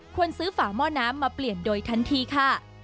ซื้อฝาหม้อน้ำมาเปลี่ยนโดยทันทีค่ะ